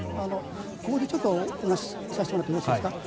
ここでちょっとお話しさせてもらってよろしいですか。